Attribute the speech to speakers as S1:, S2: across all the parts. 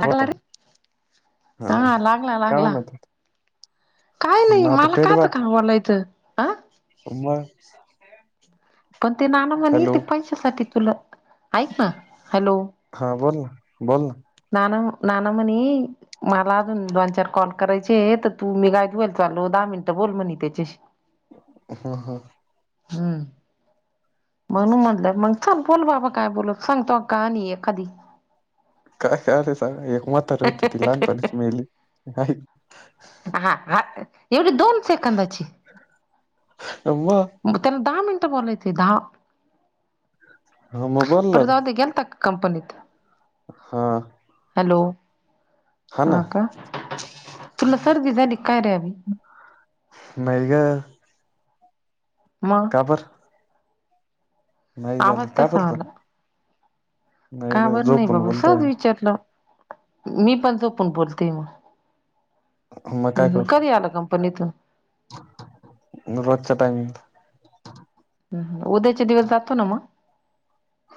S1: लागला
S2: होता
S1: रे हा लागला
S2: काय
S1: लागला.
S2: म्हणत
S1: काय
S2: होता
S1: नाही
S2: मग
S1: मला का आता थाबवलय इथं.
S2: मंग
S1: पण ते नाना म्हणे ते पंशासाठी तुला, ऐक ना हॅलो
S2: हां बोल ना बोल.
S1: नाना म्हण नाना म्हणी. मला अजून दोन चार कॉल करायचे आहे, तर तू मी गय धुल चालू दहा मिनिटं बोल म्हणे त्यांच्याशी ‌.
S2: हम्म
S1: हम्म. म्हणू म्हटलं मग थांब बोल बाबा काय बोलत सांग तो कहानी एखादी.
S2: काय अ रे संग एक म्हातारी होती ती लहानपणीच मेली.
S1: हा हा एवढी दोन सेकंदाची.
S2: मग
S1: त्याना दहा मिनिटं बोलयच ये दहा
S2: मग बोलला
S1: पर राहूदे गेलता का? कंपनीत.
S2: हा.
S1: हॅलो हा का तुला सर्दी झाली काय रे अभी?
S2: नाही ग.
S1: मग?
S2: का बर नाही
S1: आवाज
S2: झाली का
S1: तसा
S2: बरं?
S1: आला का बर नाही
S2: झोपून
S1: बाबा
S2: बोलतोय
S1: सहज विचारलं. मी पण झोपून बोलते मग,
S2: मग काय
S1: कधी
S2: करू
S1: आला कंपनीतून?
S2: रोजच्या टाइमिंग ला.
S1: हम हम उद्याच्या दिवस जातो ना मग?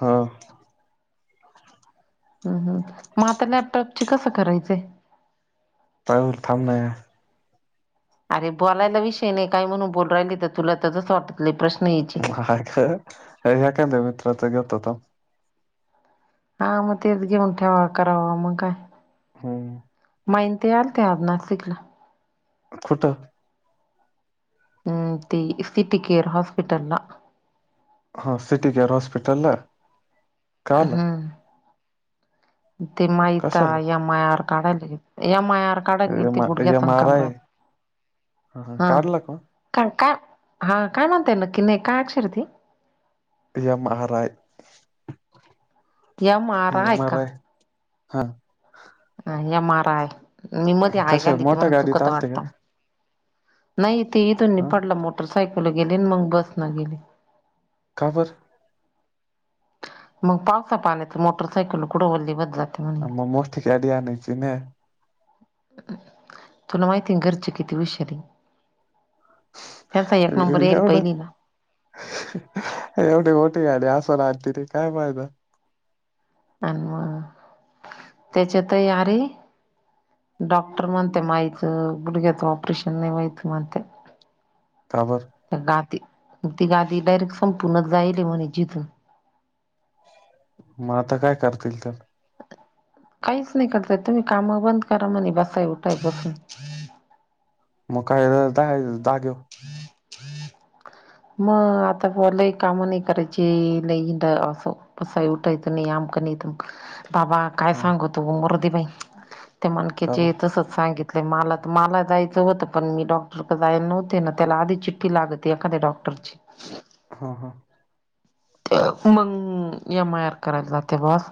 S2: हा.
S1: हम् हम मग आता लॅपटॉपची कसं करायचंय?
S2: [inaudible]
S1: [inaudible] अरे बोलायला विषय नाही काय म्हणून बोल राहिली तर तुला तसच वाटत प्रश्न हीचे.
S2: नाय ग एखाद्या मित्राच घेतो थांब. [inaudible]
S1: हा मग तेच गेऊं ठेवावा करावा म काय.
S2: हम.?
S1: माईन ते आल ते आज नाशिकला.
S2: कुठ?
S1: ह ती सीटीक केअर हॉस्पिटलला.
S2: हा सिटी केेअर हॉस्पिटल ला?
S1: हम. ते माहीता
S2: कशाला
S1: एम आर काढायला एम आर. काडा गिल्ती
S2: एम
S1: गुडग्या
S2: एम
S1: आन
S2: आर आय
S1: कमरचा हा. का काय हा काय म्हणताय नक्की नाही काय अक्षर ती?
S2: M R I M R I हा.
S1: एम आर आय मी मध्ये आय
S2: कशा
S1: घालीती
S2: मोठ्या
S1: म्हणून
S2: गाडीत
S1: चुकत
S2: आलते
S1: वाटत.
S2: का
S1: नाही ते इथूनी
S2: हा
S1: पडला मोटरसायकल गेली आणि मग बस न गेली.?
S2: का बर?
S1: मग पावसा पाण्याच मोटरसायकल कुड वली होत जतीली.
S2: आ म मोठी गाडी आणायची न.
S1: तुला माहिती आहे न घरची किती वुषार ये. नंबर येईल
S2: येवढं.
S1: पहिलीला
S2: एवढी गोठी गाडी असोन आणते री काय फायदा.
S1: आन म त्याच्यात हे अरे डॉक्टर मते माईच गुडग्यात ऑपरेशन नय होईत मते.
S2: का बर?
S1: त्या गादी ती गादी डायरेक्ट संपूर्णच जाईल म्हणे जिझुन.
S2: म आता काय करतील तर.
S1: काहीच नाही करताय तुम्ही कामं बंद करा म्हणे, बसाय उठाय बसून
S2: मग काय आता आहेतच जागेवर [unintelligible]
S1: [unintelligible] मग आता बुवा लई कामं नाही करायची, लई हिंड असं बसाय उठायचं नाही. आमकं नाही तमकं. बाबा काय सांगू तो मरू दे बाई ते
S2: का
S1: मणकेचे
S2: बर
S1: तसंच सांगित? लय मला तर मला जायचं होतं. पण मी डॉक्टर क जाय नव्हते. तेना त्याला आधीच चिठ्ठी लागते, एखाद्या डॉक्टरची.
S2: हा हा?
S1: मग एम आय आर करायला जाते बास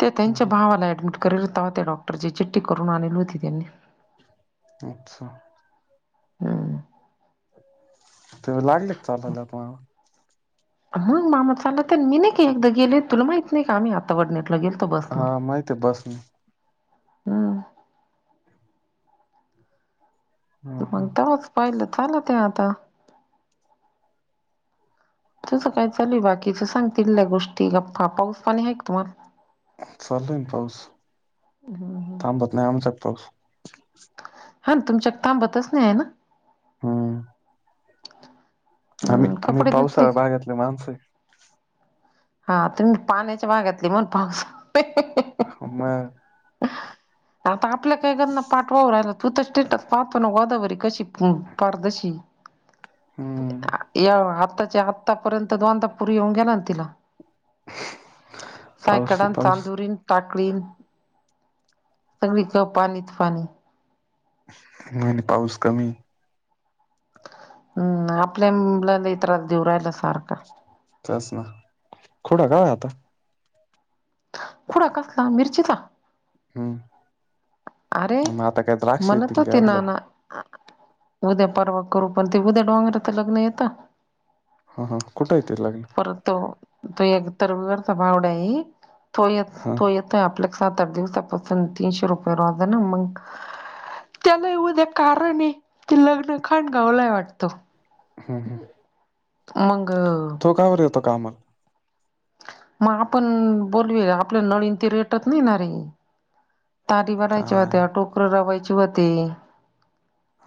S1: ते त्यांच्या भावाला ऍडमिट. करेल तेव्हा त्या डॉक्टरची चिठ्ठी करून आणेल होती त्यांनी,
S2: अच्छा,?
S1: हू.
S2: आता लागलेत चालायला बुवा.
S1: हा मामा चालते ना मी नाही का एकदा गेले तुला माहित नाही का, आम्ही आता वडनेरला. गेलतो बस?
S2: हा माहिती आहे बसनी.
S1: हम्म
S2: हा हा
S1: मग तवाच पाहिलं चालंत आहे आता. तसं काय चाल बाकीच सांगतील त्या गोष्टी गप्पा पाऊस पाणी आहे का तुम्हांला?
S2: चालू आहे ना पाऊस थांबत नाही आमच्यात पाऊस.
S1: हां ना तुमच्यात थांबतच नाही आहे ना.
S2: हूं? आम्ही
S1: हम्म
S2: आम्ही
S1: कपडे धुतले
S2: पावसाळ्या
S1: का?
S2: भागातले माणसं आहे?
S1: हा तुम्ही पाण्याच्या भागातली म्हनून पाऊस आहे.
S2: ह मग,
S1: [unintelligible] आता आपल्या काय करना पाठवाव राहिला तू तर स्टेटस पाहतो ना गोदावरी कशी पारदशी.
S2: हम्म
S1: या आताच्या आता पर्यंत दोनदा पूर येऊन गेला ना तिला.
S2: पाऊस
S1: सायकडा अन्
S2: पाऊस
S1: चांदूरी. टाकळीन सगळीकडं पाणीच पाणी.
S2: म्हणे पाऊस कमी आहे?
S1: हूं आपल्याना त्रास देवू राहिला सारखं.
S2: तेच ना खुडा काय आता,
S1: खुडा कसला मिरचीचा.
S2: हं,
S1: अरे म्हणत होते नाना? उद्या परवा करू पण ते उद्या डोंगरतं लग्न आहे येतं.
S2: हा हा कुठं आहे ते लग्न?
S1: परत तो तो एक तर रविवारचा भावड्या येई तो य य.
S2: हा
S1: येतोय आपल्या सात आठ दिवसापासून तीनशे रुपये रोजानं मंग, त्याला येऊद्या कारण आहे की लग्न खांडगावला हाय वाटतं.
S2: हूं हूं
S1: मग
S2: तो का बरं येतो कामाला.
S1: मग आपण बोलवूया आपल्या नळीन ते रेटत नाहीणारे? तारी भरायच्या
S2: काय
S1: होत्या, टोकरं रवायची होती.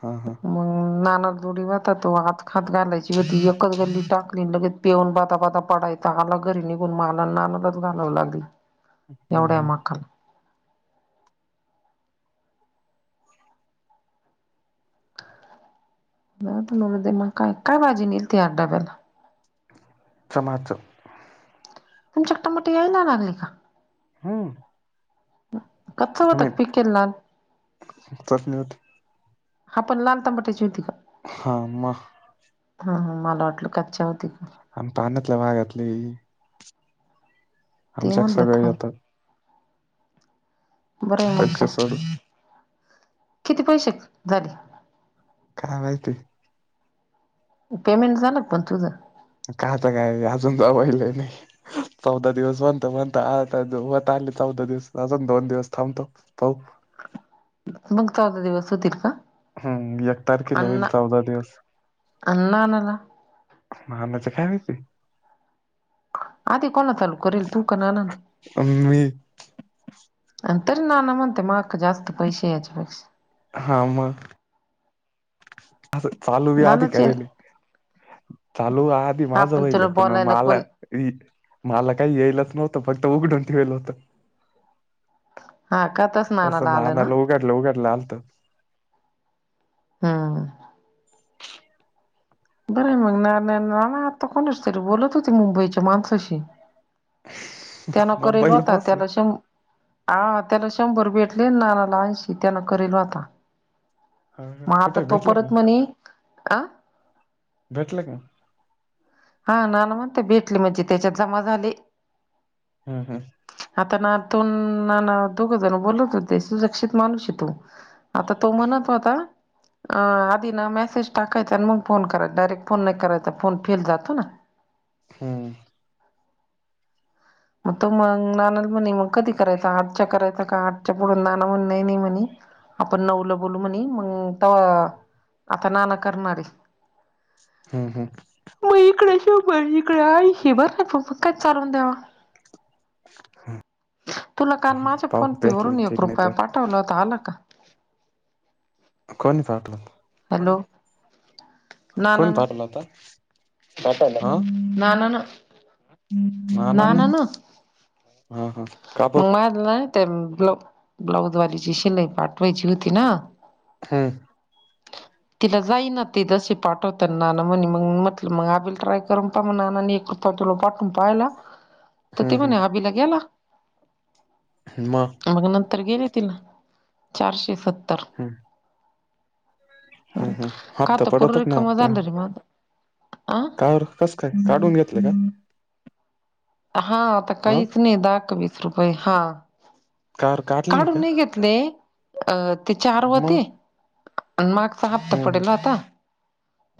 S2: हा हा.
S1: मग, नानाच्या जोडी होता, तो हात खात घालायची व्हती एकच गल्ली टाकली अन् लगेच पेऊन बदा बदा पडाय. त आला घरी निघून मला आणि नानालाच घालावं लागली? एवढ्या
S2: हम्म
S1: माकाला जावू दे मरु दे मग काय काय भाजी नेलती आज डब्याला?
S2: चमाच
S1: तुमच्या शकट मोठी आह [unintelligible]
S2: हम,
S1: कस होताक पिकल लाल?
S2: चटणी होती
S1: आपण लाल टमाट्याची.
S2: हा म?
S1: हा ह मला वाटलं खचावती का.
S2: वाघातली,
S1: ते
S2: आमच्या
S1: म्हणलं
S2: सगळं
S1: थाय
S2: येतं?
S1: बरं आहे मग
S2: पैसे सोडून
S1: किती झाले.
S2: काय वाजेत.
S1: पेमेंट झालं का पण तुझं.
S2: कायच काय अजून जा पहिल नाही. चौदा दिवस बणत म्हणता आता होत आले, चौदा दिवस अजून दोन दिवस थांबतो? [unintelligible]
S1: मग चौदा दिवस होतील का?
S2: हम् एक तारखेला होईल
S1: आणि
S2: चौदा दिवस.
S1: आणि नानाला
S2: [unintelligible]
S1: आधी कोण चालू करेल तू की ननंद?
S2: अन मी
S1: पण तरी नाना म्हणते मला जास्त पैसे याच्यापेक्षा.
S2: हा मग. असं चालू बी आधी
S1: नानाचे
S2: करेल चालू आध अदी
S1: हा
S2: माझ वहिल
S1: तुला
S2: पण
S1: बोलायला कोण
S2: मला मला काही यायलच नव्हतं फक्त उघडून ठेवालं होतं.
S1: हा का तस
S2: तसं
S1: आलं ना
S2: नानाला उघाडलं उघडलं आलत.
S1: हा बरं मग नाना नाना आता कोणीशी तरी बोलत होती मुंबईच्या माणसाशी. त्यांना
S2: मग
S1: करेल
S2: पहिलं
S1: होता
S2: पोहोचले
S1: त्याला श हा त्याला शंभर भेटले नाना ला ऐन्शी त्यांना करेल आता.
S2: हा, हा.
S1: मग आता
S2: कुठे
S1: तो
S2: भेटले का
S1: परत
S2: मग
S1: म्हणे अ
S2: भेटलं का?
S1: हा नाना म्हणते भेटले म्हणजे त्याच्यात जमा झाले.
S2: हम हम
S1: आता ना तो नाना दोघ जण बोलत होते सुरक्षित माणूस आहे तो. आता तो म्हणत होता. अ आधी ना मेसेज टाकायचा आणि मग फोन कराय डायरेक्ट फोन नाही करायचा फोन फेल जातो ना.
S2: हम्
S1: मग तो मग नाना म्हणे मग कधी करायचा आठच्या करायचा का आठच्या पुढं नाना म्हण नाही नाही म्हणे. आपण नऊ ला बोलू म्हणे मग तवा आता नाना करणारे
S2: हम् हम
S1: मग इकडे शंभर इकडे ऐन्शी हे बर नाही प म काय चालवून द्यावा. तुला काल माझ्या
S2: पाहू
S1: फोन पे
S2: भेटले
S1: वरून एक
S2: ठीक नाही
S1: रुपया
S2: तर
S1: पाठवला होता आला का?
S2: कोणी पाठवलं?
S1: हॅलो
S2: कोण
S1: नानान
S2: पाठवलं होता?
S1: नाना ना
S2: आ,
S1: नाना ना ना
S2: नानांनी?
S1: ना ना
S2: हा हा का बर
S1: मग माझ ना त्या ब्ला ब्लाउज वालीची शिलाई पाठवायची होती ना.
S2: हम्म
S1: तिला जाई ना ते तसे पाठवत नाना म्हणे मग म मग आपल ट्राय करून पहा मग नानांनी एक रुपया पाठवून पाहीला. तर ते
S2: हम्म
S1: म्हणे अभि ला गेला.
S2: मग
S1: मग नंतर गेले तिला चारशे सत्तर.
S2: हम हम् हम
S1: का
S2: हप्ता
S1: तर पूर
S2: पाठवतात ना
S1: रिकामं
S2: मग.
S1: झालं रे माझं आ
S2: काय रे कस काय काढून घेतलंय का?
S1: हा आता
S2: ह
S1: काहीच नाही, दहा का वीस रुपये हा
S2: कार काढली
S1: काढून
S2: का
S1: नाही घेत. अ ते चार
S2: मग
S1: होते. आणि मागचा हप्ता
S2: हम् हम
S1: पडेल होता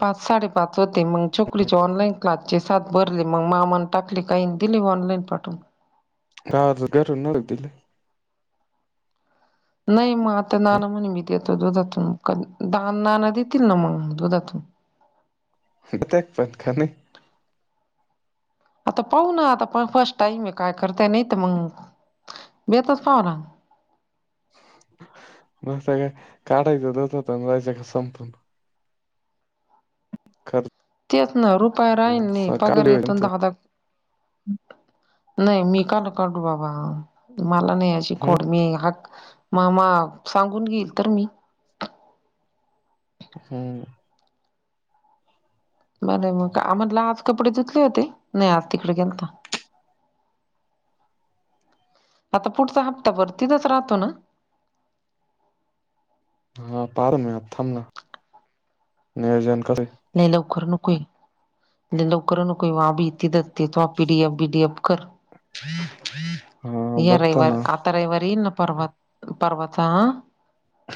S1: पाच साडेपाच. पाचव होते मंग कलीचे ऑनलाईन क्लांस चे सांथ भरले मगं मामा मनं टाकले. कांहीं दिली ऑनलाईन पाठवूंन.
S2: हां उद्यां नं मारती.
S1: नाहीं मंग आंता नाणं म्हंण मी देतो दुधातूंन दानं नाणं देतील नां मगं दुधातूंन
S2: हिडतेक पतं करं नाहीं तं.
S1: आंता पाहूंन नां आंता प फर्स्ट टाईम आहे कायं करतांय नाहीं तरं मंग बेतचं पाहनां.
S2: नस्तं कायं काढायचं देतात रायचं कां संपून. खातंय.
S1: तेचं नां रुपय राहील नाहीं पगांर
S2: काढून
S1: येतूंन दाहादां नाहीं मी कांल काढूं बाबां मलां नाहीं येतं.
S2: हम्
S1: चिकोड मी हां मामा सांगून घेईल तरं मी.
S2: हम्मं
S1: बरं मंग आम्हांला आंज कपडे धुतले होते नाहीं आंज तिकडे गेलं तरं. आंता पुढचां हप्तां भरतीथचं राहतो नां.
S2: हां पारं मगं आपणं थांम नां नियोजन करे
S1: नाहीं लवकरं नुक आहे लंय लवकरंनून को व बीती दसते तो आपलं P D F B D F करं. Three three.
S2: हा
S1: यां
S2: बघतो
S1: रविवारी
S2: ना
S1: आंता रविवारी येईल नां परवां परवांच्या.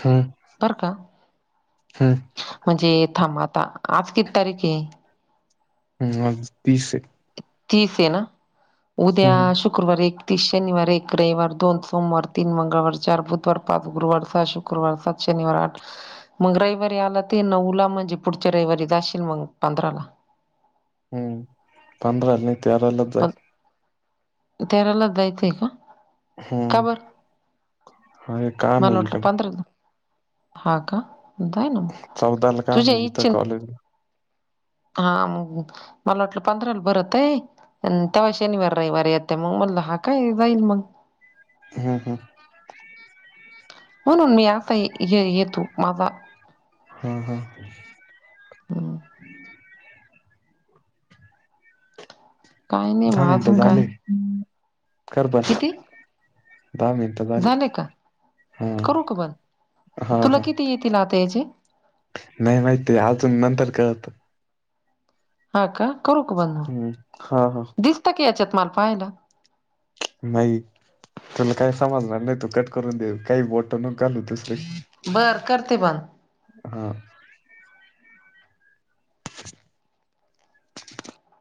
S2: हम्मं.
S1: बरं कां.
S2: हम्मं.
S1: म्हणजे थांब आंता आंज किती तारिक आहे.
S2: हम्मं आंज तीस आहे.
S1: तीस आहे नां उद्या
S2: हम्म
S1: शुक्रवारी एक. तीस शनिवार एक रविवार दोन सोमवार तीनं मंगळवार चार बुधवार पांच गुरुवार सहाशु. शुक्रवार सात शनिवार आठ मंग रविवारी आंला ते नऊ लां म्हणजे पुढच्यां रविवारी जाशील मंग पंधरा लां.
S2: हम्मं पंधराला नाहीं तेरालांच जाईल.
S1: तेरालां जाईल ते मगं.
S2: हम्म
S1: काबरं
S2: अरे काम
S1: मलां
S2: आहे
S1: वाटलं
S2: इकडं
S1: पधरा हां कां कायं गं नां मगं
S2: चौदाला काम
S1: तुझ्यां
S2: आहे इथं
S1: इच्छ
S2: कॉलेजला
S1: हां मंग मलां वाटलं पंधराला भरतं आहे. त्यां वायं शनिवार रविवार येते मंग म्हटलं हां कायं जाईल मंग.
S2: हं हं.
S1: म्हणूंन मी आंता येतो माझां.
S2: हम्मं हम्मं.
S1: हम्मं. काय नाही
S2: दहा
S1: मग
S2: मिनिटं
S1: अजून काय
S2: झाले, करं बंद.
S1: किती?
S2: दहा मिनिटं झाली
S1: झाले कां,
S2: हा
S1: करूं कां बंद, तुलां किती येतील आंता यांचे?
S2: नाहीं माहिती अजूंन, नंतर कळलं.
S1: हां कां, करूं कां बंद,
S2: हम्म हा हा
S1: दिसतं की यांच्यात मांल पाहांयला,
S2: नाहीं, तुलां कांहीं समजणांर नाहीं तूं कंट करूंन दे, कांहीं बोटं नको घालू तसले.
S1: बर करते बंद ह.